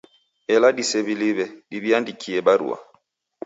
Ela disew'iliw'e, diw'iandikie barua